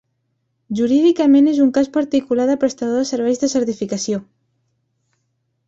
Jurídicament és un cas particular de prestador de serveis de certificació.